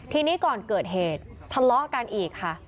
ทีนี้ก่อนเกิดเหตุทะเลาะกันอีกค่ะ